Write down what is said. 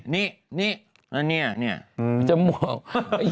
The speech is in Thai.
นี่นี่นี่